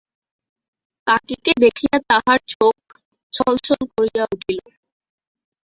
কাকীকে দেখিয়া তাহার চোখ ছলছল করিয়া উঠিল।